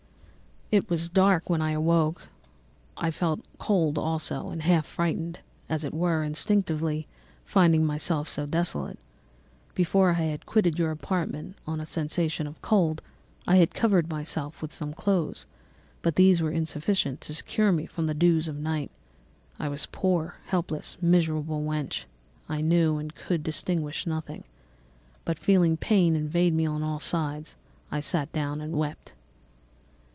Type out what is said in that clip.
"It was dark when I awoke; I felt cold also, and half frightened, as it were, instinctively, finding myself so desolate. Before I had quitted your apartment, on a sensation of cold, I had covered myself with some clothes, but these were insufficient to secure me from the dews of night. I was a poor, helpless, miserable wretch; I knew, and could distinguish, nothing; but feeling pain invade me on all sides, I sat down and wept.